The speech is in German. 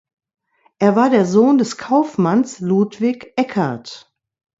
Er war der Sohn des Kaufmanns Ludwig Eckert.